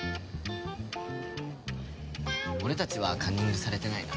俺たちはカンニングされてないな。